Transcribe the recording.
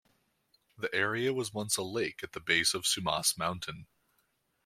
The area was once a lake at the base of Sumas Mountain.